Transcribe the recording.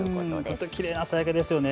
本当にきれいな朝焼けですよね。